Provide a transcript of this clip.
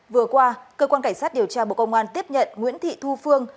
vừa qua cơ quan cảnh sát điều tra bộ công an tiếp nhận nguyễn thị thu phương